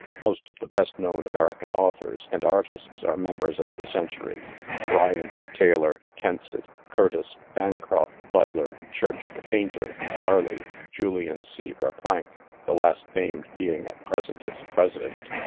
Most of the best known American authors and artists are members of the Century : Bryant, Taylor, Kensett, Curtis, Bancroft, Butler, Church the painter, Bar ley, Gulian C. Verplanck, the last named being at present its presi dent.